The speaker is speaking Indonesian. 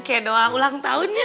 kayak doa ulang tahunnya